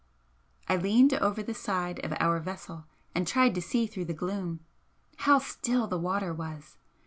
I leaned over the side of our vessel and tried to see through the gloom. How still the water was!